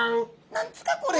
何ですかこれ？